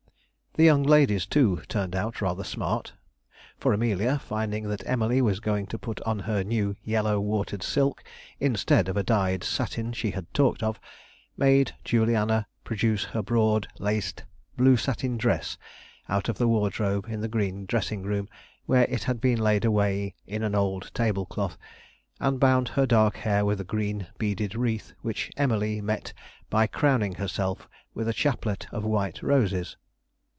The young ladies, too, turned out rather smart; for Amelia, finding that Emily was going to put on her new yellow watered silk, instead of a dyed satin she had talked of, made Juliana produce her broad laced blue satin dress out of the wardrobe in the green dressing room, where it had been laid away in an old tablecloth; and bound her dark hair with a green beaded wreath, which Emily met by crowning herself with a chaplet of white roses.